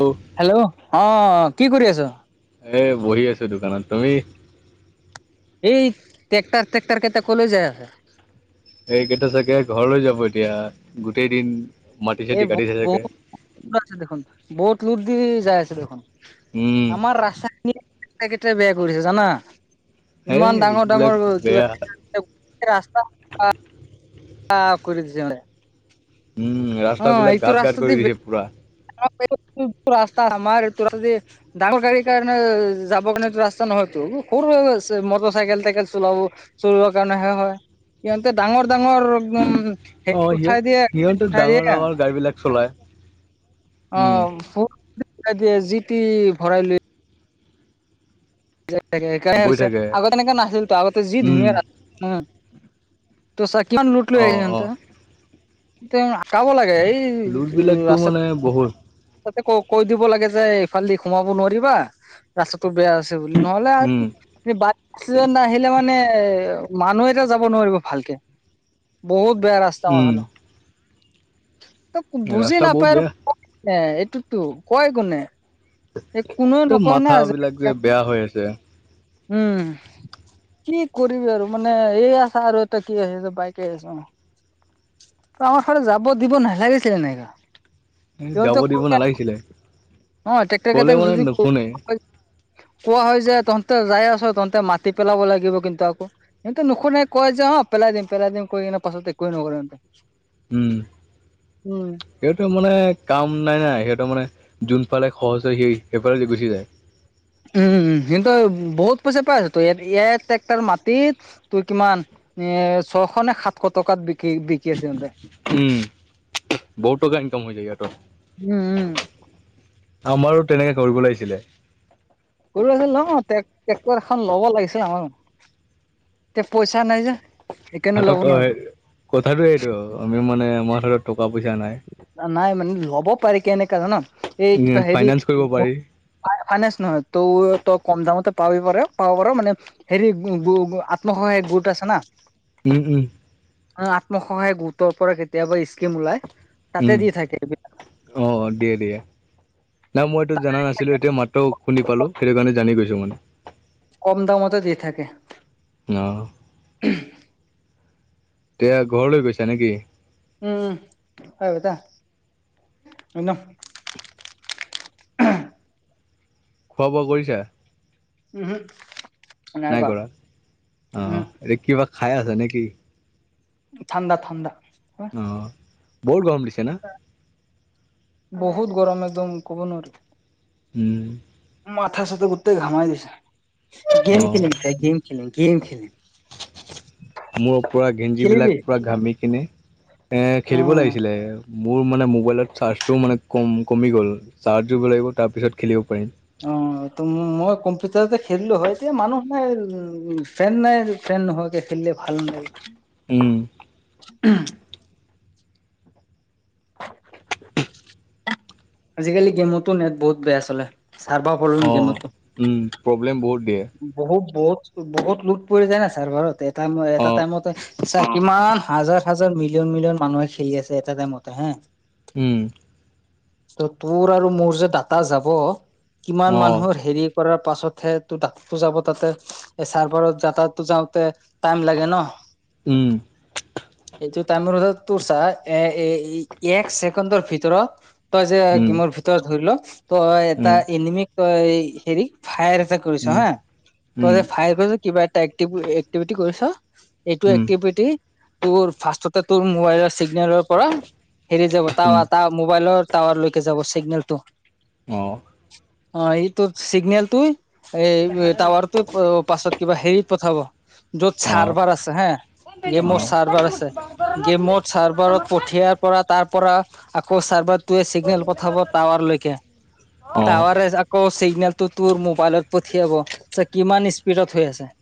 বু হেল্ল', অঁ কি কৰি আছ? এ বহি আছো দোকানত তুমি? এই ট্ৰেক্টাৰ ট্ৰেক্টাৰ কেইটা কলৈ যায় আহে? এইকেইটা চাগে ঘৰলৈ যাব এতিয়া গোটেই দিন। মাটি এই চাটি বহুত কাটিছে চাগে বহুতো আছে দেখোন, বহুত লোট দি যায় আছে দেখোন। উম আমাৰ ৰাসায়নিক কেইটাই বেয়া কৰিছে জানা। এই ইমান ডাঙৰ এইবিলাক ডাঙৰ কিবা বেয়া এ এ ৰাস্তা কা কৰি দিছে মানে। উম ৰাস্তা বিলাক গাত ৰাস্তা গাত দি কৰি দিছে পোৰা। অ এইটো ৰাস্তা আমাৰ তোৰ আজি ডাঙৰ গাড়ীৰ কাৰণে যাবৰ কাৰণেটো ৰাস্তা নহয়টো। সৰু আছে মটৰ চাইকেল টাইকেল চলাব চলাবৰ কাৰণেহে হয়। সিহঁতে ডাঙৰ ডাঙৰ একদম অ হেৰী সিহঁত উঠাই দিয়ে। সিহঁতে উঠাই ডাঙৰ দিয়ে, ডাঙৰ গাড়ী বিলাক চলাই উম অহ। উঠাই দিয়ে যিতি ভৰাই লৈ যায় থাকে। এইকাৰণে গৈ হৈছে থাকে আগত এনেকা নাছিল তো আগতে যি উম ধুনীয়া ৰাস্তা, উম। তই চা কিমান লোট লৈ অ আহিছে অ ইহঁতে, ইহঁতে আকাব লাগে এই লোট এই বিলাকতো ৰাস্তাটো মানে বহুত তাতে ক কৈ দিব লাগে যে এইফাল দি সোমাব নোৱাৰিবা ৰাস্তাটো বেয়া আ আছে বুলি নহ'লে উম আৰু সেই বাত ছিজন আহিলে মানে মানুহ এটা যাব নোৱাৰিব ভালকে। বহুত বেয়া ৰাস্তা আমাৰ উম ফালো। ত' বুজি ৰাস্তা বহুত নাপায় আৰু বেয়া [unintelligible] ক এইটোতো কয় কোনে। এই কোনো ত নকয় ন' আজি মাথাবিলাক যে বেয়া হৈ আছে। উমহ। কি কৰিবি আৰু মানে এইয়া চা আৰু এটা কি আহি আছে বাইক আহি আছে অহ। আমাৰ ফালে যাব দিব নালাগিছিলে এনেকা। এ যাব সিহঁতক দিব কৈ দিয়া। নালাগিছিলে অ টেক্টৰ ক'লে কেইটাক মানে যদি ক নুশুনে কোৱা হয় যে তহঁতে যাই আছ তহঁতে মাতি পেলাব লাগিব কিন্তু আকৌ। সিহঁতে নুশুনে কয় যে অহ পেলাই দিম পেলাই দিম কৈ কিনে পাছত একোৱে নকৰে ইহঁতে। উম। সিহঁতৰ মানে কাম নাই না সিহঁতৰ মানে যোনফালে সহজ হৈ সেই সেইফালে দি গুচি যায়। উম, সিহঁতৰ বহুত পইছা পাই আছে তো এয়া এয়াত ট্ৰেক্টাৰ মাটিত। তোৰ কিমান এ ছশ নে সাতশ টকাত বিকি বিক বিকি আছে সিহঁতে। উম। বহুত টকা ইনকাম হৈ যায় সিহঁতৰ। উম উম আমাৰো তেনেকে কৰিব লাগিছিলে। কৰিব লাগিছিল অ। ট্ৰেক্ট ট্ৰেক্টৰ এখন ল'ব লাগিছিল আমাৰো, তে পইছা নাই যে। সেইকাৰণে ল'ব হাতত অ হে, নোৱাৰো কথাটো এইটো আমি মানে আমাৰ হাতত টকা পইছা নাই। নাই মানে ল'ব পাৰি কেনেকা জান এই উম, কিবা হেৰী ফাইনেন্স কৰিব পাৰি। ফা ফাইনেন্স নহয় ত' তই কম দামতে পাবি পাৰ পাব পাৰ মানে হেৰী গো গো গো আত্মসহায়ক গোট আছে না। উম উম। অ আত্মসহায়ক গোটৰ পৰা কেতিয়াবা স্কিম ওলাই তাতে দি থাকে। অহ, দিয়ে দিয়ে। নাই মই এইটো জানা নাছিলো এতিয়া মাত্ৰ শুনি পালোঁ সেইটো কাৰণে জানি গৈছোঁ মানে। কম দামতে দি থাকে। উম অহ। এতিয়া ঘৰলৈ গৈছা নেকি? উম, ঐ বেটা, হয় ন? খোৱা বোৱা কৰিছা। উম হো। নাই কৰা। অ এতিয়া খাই আছে নেকি? থান্দা থান্দা। অ বৰ গৰম দিছে। না? বহুত গৰম একদম ক'ব নোৱাৰি। উম। মাথা চাথা গোটেই ঘামাই দিছে। গেম খেলিম এতিয়া গেম খেলিম গেম খেলিম। [inaudible] মূৰ পুৰা গেঞ্জী খেলিবি বিলাক পুৰা ঘামি কিনে। অ খেলিব উম লাগিছিলে। মোৰ মানে মোবাইলত চাৰ্জটোও মানে কম কমি গ'ল চাৰ্জ দিব লাগিব। তাৰপিছত খেলিব পাৰিম। অহ, ত' মই কম্পিউটাৰতে খেলিলো হয় এতিয়া মানুহ নাই উম ফেন নাই ফেন নহকে খেলিলে ভাল নালাগে। উম। উম, আজিকালি গেমতো নেট বহুত বেয়া চলে চাৰ্ভা বাৰু অ' গেমতো। উম, প্ৰব্লেম বহুত দিয়ে। বহুত বহুত বহুত লোট পৰি যায় না চাৰ্ভাৰত এটা এটা অ' টাইমতে চব না হাজাৰ হাজাৰ মিলিয়ন মিলিয়ন মানুহে খেলি আছে এটা গেমতেহে। কি? ত তোৰ আৰু মোৰ যে দাটা যাব কিমান অ' মানুহৰ হেৰি। কৰাৰ পাছতহে ত ডাকটো যাব তাতে এই চাৰ্ভাৰত দাতটো যাওঁতে টাইম লাগে ন! উম। [inaudible] এইটো [unintelligible] টো চা এ-এ-এ-এক ছেকেণ্ডৰ ভিতৰত তই যে উম গেমৰ ভিতৰত ধৰি ল। তই উম এটা এনিমিক তই হেৰিক ফায়াৰ এটে কৰিছ উম হা। তই যে উম [unintelligible] কিবা এটা এক্টি-এক্টিভিটি কৰিছ এইটো উম এক্টিভিটি তোৰ ফাৰ্ষ্টতে তোৰ মোবাইলৰ চিগনেলৰ পৰা হেৰি যাব উম টাৱাৰ টা মোবাইলৰ টাৱাৰলৈকে যাব চিগনেলটো। অ। অ এই তোৰ চিগনেলটোই এই টাৱাৰটো পাছত কিবা হেৰি পঠাব যত অ' চাৰ্ভাৰ আছে হা। গেমৰ চাৰ্ভাৰ আছে। গেমৰ চাৰ্ভাৰত পঠিয়াৰ পৰা তাৰ পৰা আকৌ চাৰ্ভাৰটোৱে চিগনেল পঠাব টাৱাৰলৈকে। অ' টাৱাৰে আকৌ চিগনেলটো তোৰ মোবাইলত পঠিয়াব চা কিমান স্পীডত হৈ আছে।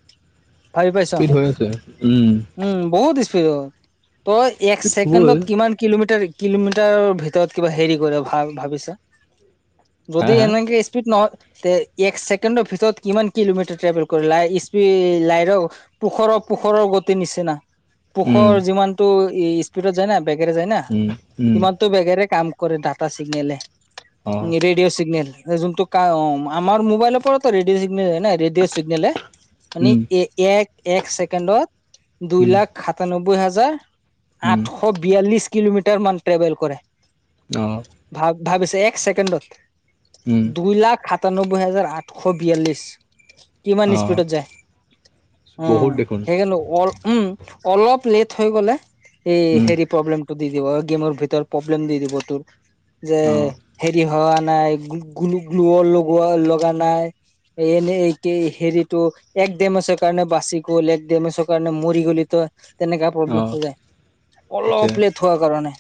ভাবি পাইছ স্পীড হৈ আছে, উম। উম, বহুত স্পীডত। তই এক স্পীড হ'বই ছেকেণ্ডত কিমান কিলোমিটাৰ কিলোমিটাৰৰ ভিতৰত কিবা হেৰি কৰে ভা-ভাবিছা। হা যদি হা এনেকে স্পীড নহয় তে এক ছে কেণ্ডৰ ভিতৰত কিমান কিলোমিটাৰ ট্ৰেভেল কৰি লাই স্পীড লাই ৰ পোখৰৰ পোখৰৰ গতি নিচিনা। উম পোখৰ যিমানটো স্পীডত যায় না বেগেৰে যায় না উম উম ইমানটো বেগেৰে কাম কৰে ডাটা চিগনেলে। অ', ৰেডিঅ' চিগনেল যোনটো কা অ আমাৰ মোবাইলত অ ত ৰেডিঅ' চিগনেল হয় না ৰেডিঅ' চিগনেলে মানে উম, এ-এ আইক এক ছেকেণ্ডত দুই উম, লাখ সাতানব্বৈ হাজাৰ উম, আঠশ বিয়াল্লিছ কিলোমিটাৰ মান ট্ৰেভেল কৰে। অ। ভাব ভাবিছে এক ছেকেণ্ডত উম, দুই লাখ সাতানব্বৈ হাজাৰ আঠ শ বিয়াল্লিছ কিমান অ'। স্পীডত যায়। অ বহুত দেখোন, সেইকাৰণে অল উম অলপ লেট হৈ গ'লে এই, উম, হেৰি প্ৰব্লেমটো দি দিব। গেমৰ ভিতৰত প্ৰব্লেম দি দিব তোৰ। যে অ', হেৰি হোৱা নাই, গুল-গুলো-গ্লোও লগোৱা লগা নাই। এনে, এই হেৰিটো, এক ডেমেজৰ কাৰণে, বাচি গ'ল, এক ডেমেজৰ কাৰণে, মৰি গ'লি তই। তেনেকা প্ৰব্লেম অ', হৈ যায়। আচ্ছা, অলপ, লেট উঠোৱাৰ কাৰণে।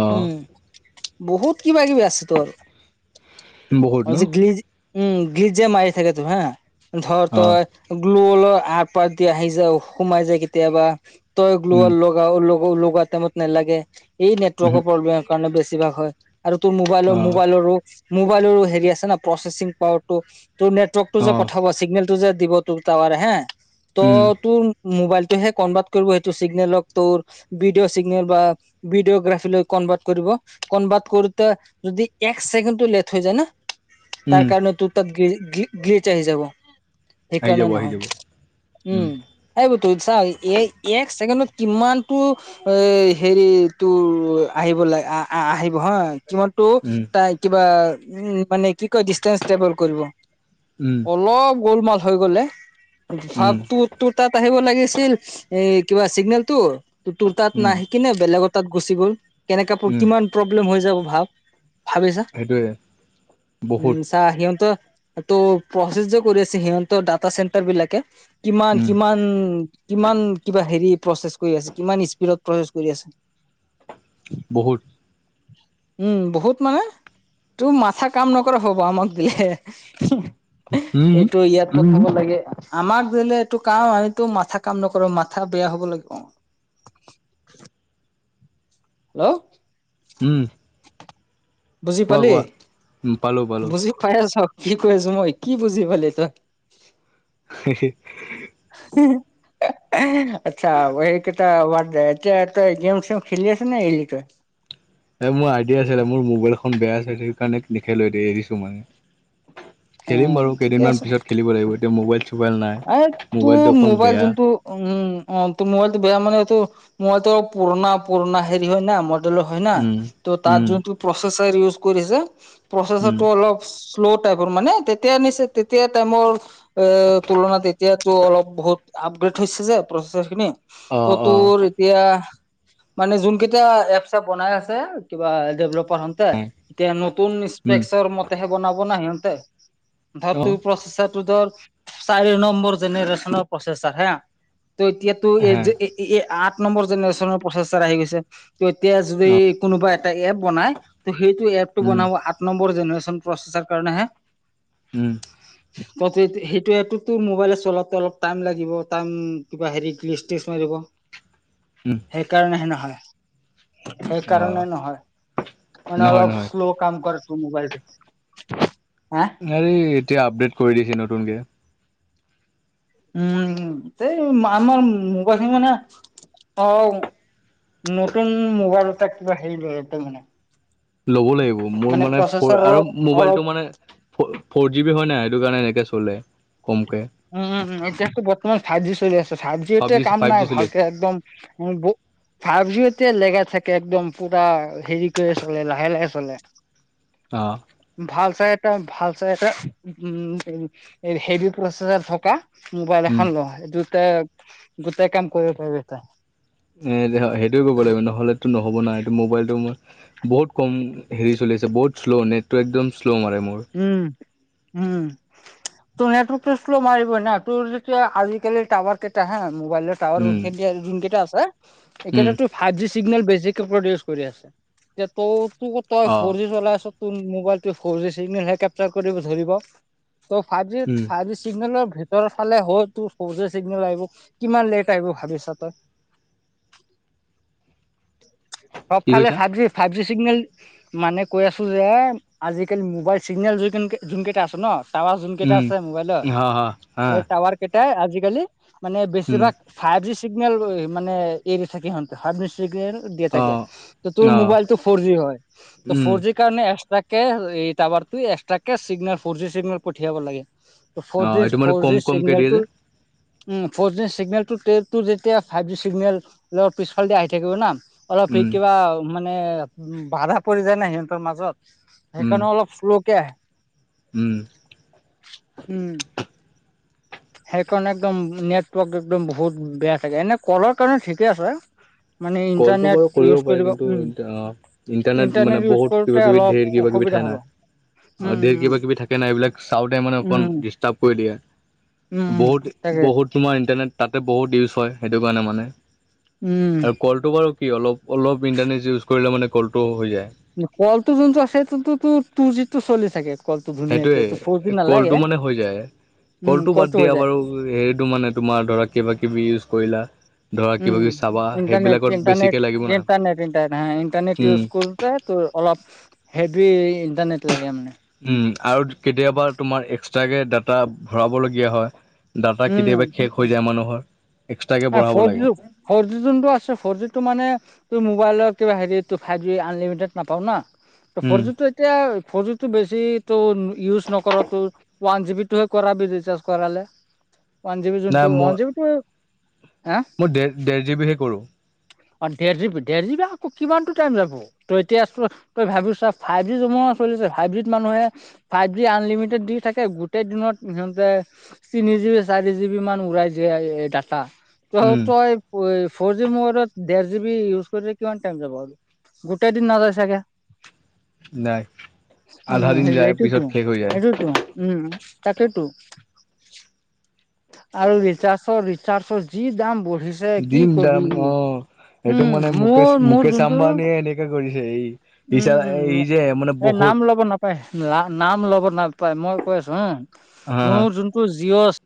অ'। উম! বহুত কিবা কিবি আছে তোৰ! বহুত ন? আজি গ্ৰিজ, উম! গ্ৰিজ যে মাৰি থাকে, তোৰ হা! ধৰ অ', তই গ্লু [unintelligible] আহি যায়, সোমাই যায় কেতিয়াবা। তই গ্লু উম, [unintelligible] লগাও? লগো, লগোৱা টাইমত নালাগে। এই, উহু, নেটৱৰ্কৰ প্ৰব্লেমৰ কাৰণে, বেছিভাগ হয়। আৰু তোৰ, মোবাইলৰ অ', মোবাইলৰো, মোবাইলৰো হেৰি আছে ন' প্ৰচেছিং? অ'! তো, তোৰ নেটৱৰ্কটো যে অ', পঠাব চিগনেলটো যে দিব তোৰ টাৱাৰে হা! উম, ত' তোৰ মোবাইলটোহে কনভাৰ্ট কৰিব সেইটো চিগনেলক তোৰ। ভিডিঅ' চিগনেল বা ভিডিঅ গ্ৰাফীলৈ কনভাৰ্ট কৰিব। কনভাৰ্ট কৰোঁতে যদি এক চেকেণ্ডো লেট হৈ যায় ন'? তাৰ উম। কাৰণে তোৰ তাত, গি-গি গ্ৰিচ আহি যাব। আহি সেইকাৰণে, যাব, আহি নহয়। যাব, উম! এইবোৰটো চা? এই এক ছেকেণ্ডত কিমান তো এ, হেৰি তোৰ, আহিব লাগ, আঁ আঁ আহিব হা! কিমান তোক, উম, তাই কিবা উম! মানে, কি কয়! [unintelligible] কৰিব। উম! অলপ গোলমাল হৈ গ'লে, উম, ভাৱটোত তোৰ তাত আহিব লাগিছিল এ, কিবা চিগনেলটো? তোৰ তাত উম, নাই। কিনে বেলেগ তাত গুচি গ'ল। কেনেকা, উম। কিমান প্ৰব্লেম হৈ যাব ভাব? ভাবিছা? সেইটোৱে, বহুত, উম! [unintelligible] সিহঁতেও ত' প্ৰচেছো কৰি আছে, সিহঁতৰ ডাটা চেণ্টাৰ বিলাকে। উম, কিমান-কিমান! কিমান, কিবা হেৰি প্ৰচেছ কৰি আছে, কিমান স্পীডত প্ৰচেছ কৰি আছে! বহুত। উম! বহুত মানে, তোৰ মাথা কাম নকৰা হ'ব? আমাক ইয়ে! উম, এইটো ইয়াত [unintelligible] লাগে। আমাক দিলে এইটো কাম, আমিতো মাথা কাম নকৰোঁ, মাথা বেয়া হ'ব লাগিব! হেল্ল'? উম'! বুজি কোৱা, পালি? কোৱা। উম, পালোঁ, পালোঁ। বুজি পাই আছ, কি কৈ আছোঁ মই? কি বুজি পালি তই? হে! হে! [unintelligible] [unintelligible] আচ্ছা! সেইকেইটা, এতিয়া তই গেম-চেম খেলি আছ নে, এৰিলি তই? এই মোৰ আইডিয়া আছিলে, মোৰ মোবাইল এখন বেয়া আছে। সেইকাৰণে, লিখাই লৈ দে, এৰিছোঁ মই। খেলিম উম বাৰু ঠিকে কেইদিনমান আছে পিছত খেলিব লাগিব। এতিয়া, মোবাইল-চোবাইল নাই, এ তোৰ মোবাইলতটো অকণ মোবাইল বেয়া। যোনটো উম! অ' তো মোবাইলটো বেয়া মানে, এইটো মোবাইলটো, পুৰণা-পুৰণা হেৰি হয় না! ম মডেল হয় না! উম তো, তাত উম যোনটো প্ৰচেছৰ ইউজ কৰিছে, উম প্ৰচেছৰটো অলপ শ্ল' টাইপৰ মানে, তেতিয়া নিচে, তেতিয়া টাইমৰ এ, পৰণা তেতিয়াতো, অলপ বহুত আপগ্ৰেড হৈছে যে, প্ৰেচছাৰ খিনি! অ ত' অ তোৰ এতিয়া মানে, যোন কেইটা এপছ চেপ বনাই আছে, কিবা ডেভলপাৰ এতিয়া, নতুন উম স্পেক্সৰ মতেহে বনাব না সিহঁতে? ধৰ অ তোৰ, প্ৰচেছাৰটো ধৰ চাৰি নম্বৰ জেনেৰেচনৰ প্ৰচেছাৰ হা! ত' এতিয়াতো, এই হে যে ইয়ে, আঠ নম্বৰ জেনেৰেশ্যনৰ প্ৰচেছাৰ আহি গৈছে। ত এতিয়া যদি অ কোনোবা এটা এপ বনাই ত' সেইটো এপটো উম বনাব নম্বৰ জেনেৰেশ্যন প্ৰচেছৰ কাৰণেহে উম ত' তো সেইটোৱে, তোৰ টো মোবাইল চলাওতে অলপ টাইম লাগিব। টাইম! কিবা হেৰি ক্ৰিয়েষ্টেচনে দিব। উম! সেইকাৰণেহে নহয়, অ সেইকাৰণে নহয় মানে নহয় অলপ নহয় শ্লো কাম কাৰছ মোবাইল [unintelligible] হা হৰি এতিয়া আপডেট কৰি দিছে নতুনকে। উম এই আমাৰ মোবাইল খন মানে অ নতুন মোবাইল এটা কিবা হেৰি লয় তাৰ মানে ল'ব লাগিব মোৰ মানে প্ৰচেছৰ আৰু অলপ অলপ মোবাইলটো মানে ফ'ৰ জি বি হয় নাই সেইটো কাৰণে এনেকে চলে কমকে উম উম এতিয়া ত বৰ্তমান ফাইভ জি চলি আছে ফাইভ জি এতিয়া কাম ফাইভ জি নাই চলি আছে ভালকে একদম ফাইভ জি এতিয়া লেগাই থাকে একদম পুৰা হেৰি কৰি চলে লাহে লাহে চলে [unintelligible] অ ভাল চাই এটা ভাল চাই এটা উম হেভি প্ৰচেছাৰ থকা মোবাইল উম এখান লও এটোতে গোটেই কাম কৰিব পাৰিব তই এ সেইটোয়ে কৰিব লাগিব নহ'লেতো নহ'ব না এটো মোবাইলটো মোৰ বহুত কম হেৰি চলি আছে বহুত শ্ল' নেটটো একদম শ্ল' মাৰে মোৰ উম উম তোৰ নেটৱৰ্কটো শ্ল মাৰিবাই না তোৰ যেতিয়া আজিকালিৰ টাৱাৰ কেইটা হা মোবাইলৰ টাৱাৰ উম যোনখিনি যোন কেইটা আছে উম এইকেইটাটো ফাইভ জি চিগনেল বেছিকে প্ৰডিউচ কৰি আছে এতিয়া ত তোৰ তই অ ফৰ জি চলাই আছ তোৰ মোবাইলটো ফৰজি চিগনেল হে কেপচাৰ কৰিব ধৰিব ত' ফাইভ জি উম ফাইভ জি চিগ্নেলৰ ভে ভিতৰত ফালে হ তোৰ ফৌৰজী চিগনেল আহিব কিমান লেট আহিব ভাবিছা তই কি চবফালে কৈছা five G, five G signal মানে কৈ আছো যে আজিকালি মোবাইল চিগনেল যোন যোন কেইটা আছে ন টাৱাৰ যোন কেইটা উম আছে মোবাইলৰ হা হা হা এই টাৱাৰ কেইটাই আজিকালি মানে উম বেছিভাগ ফাইভ জি চিগনেল মানে এৰি থাকে সিহঁতে ফাইভ জি চিগনেল দিয়া অ থাকে তোৰ অ মোবাইলটো ফৰ জি হয় ত উম ফৰ জি সেই কাৰণে এক্সট্ৰাকে এই টাৱাৰ এক্সট্ৰ কে চিগনেল ফৰ জি চিগনেল পঠিয়াব লাগে ফ'ৰ অ জি, এইটো মানে ফ'ৰ কম জি কমকে দিয়ে যে চিগনেলটো উম ফ'ৰ জি চিগনেলটো টেতটো যেতিয়া ফাইভ জি চিগনেলৰ পিছফাল আহি থাকিব না অলপ সি উম কিবা মানে বাধা পৰি যায় না সিহঁতৰ মাজত উম সেইকাৰণে অলপ শ্ল' কে আহে উম উম সেইকাৰণে একদম নেটৱৰ্ক একদম বহুত বেয়া থাকে এনে কলৰ কাৰণে ঠিকে আছে মানে কলটো ইণ্টাৰনেট বাৰু ইউজ পাৰি কৰিব কিন্তু উম অ' মানে ইণ্টাৰনেট ইউজ বহুত কিবা কৰোঁতে কিবি অলপ ধেৰ কিবা কিবি অসুবিধা থাকে না হব উম অ দেৰ উম কিবা কিবি থাকে নাই এইবিলাক চাওঁতে মানে অকণ উম ডিচ টাপ কৰি উম দিয়ে‌। উম বহুত তাকে বহুত তোমাৰ ইণ্টাৰনেট তাতে বহুত ইউজ হয় সেইটো কাৰণে মানে উম কলটো বাৰু কি অলপ অলপ ইণ্টাৰনেট ইউজ কৰিলে মানে কলটো হৈ যায় কলটো যোনটো আছে টু টু জি টো চলি থাকে কলটো ধুনীয়াকে সেইটোয়ে ত ফ'ৰ জি কলটো নালাগে মানে হৈ যায় উম কলটো বাদ হৈ দিয়া যায় বাৰু আকৌ হেৰিটো মানে তোমাৰ ধৰা কিবা কিবি ইউজ কৰিলা। ধৰা উম, কিবা কিবি চাবা উম ইণ্টাৰনেট সেইবিলাকত বেছিকে ইণ্টাৰনেট লাগিব না ইণ্টাৰনেট ইন্টাৰনেট ইণ্টাৰনেট উম ইউজ কৰো। [unintelligible] তোৰ অলপ হেভি ইণ্টাৰনেট লাগে মানে। উম আৰু কেতিয়াবা তোমাৰ এক্সট্ৰাকে ডাটা ভৰাবলগীয়া হয় ডাটা উম কেতিয়াবা শেষ হৈ যায় মানুহৰ এক্সট্ৰাকে বঢ়াব ফৰ লাগে জি, ফৰ জি যোনটো আছে ফৰ জিটো মানে তোৰ মোবাইলৰ কিবা হেৰি ফাইভ জি আনলিমিটেড নাপাও না। ত উম ফৰ জিটো এতিয়া ফৰ জিটো বেছি ত ইউজ নকৰ তোৰ। ওৱান জিবিটোৱে কৰাবি ৰিচাৰ্ছ কৰালে। ওৱান জিবি নাই যোনটো মই ওৱান জিবিটো হা? মই ডেৰ ডেৰ জিবিৰহে কৰো। অ ডেৰ জিবি, দে জিবি আকৌ কিমানটো টাইম যাব? তই এতিয়া তই ভাবিছা, ফাইভ জি জমানা চলি আছে। ফাইভ জিত মানুহে ফাইভ জি আনলিমিটেড দি থাকে। গোটেই দিনত সিহঁতে তিনি জিবি, চাৰি জিবি মান উৰাই দিয়ে এই ডাটা। ত উম তই ফ'ৰ জি মবাইলত ডেৰ জিবি ইউজ কৰি কিমান টাইম যাব? গোটেই দিন নাযায় চাগে? নাই আধা উম দিন সেই যায় এইটোতো, পিছত শেষ হৈ যায় সেইটোতো উম, তাকেইটো। আৰু ৰিচাজৰ ৰিচাৰ্জৰ যি দাম বঢ়িছ দিম দাম অ সেইটো মানে মুকেশ মোৰ মোৰ মুকেশ যোনটো আম্বানীয়ে এনেকা কৰিছে সি। ৰিচা এই যে মানে বহুত অই লাম নাম ল'ব নাপায়। মই কৈ আছো হা, হা হা মোৰ যোনটো জিঅ'